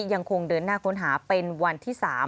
ยังคงเดินหน้าค้นหาเป็นวันที่๓